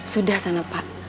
sudah sana pak